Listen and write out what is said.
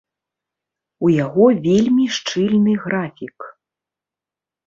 У яго вельмі шчыльны графік.